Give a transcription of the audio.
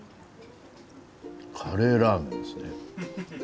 カレーラーメンですね。